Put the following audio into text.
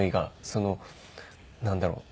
そのなんだろう。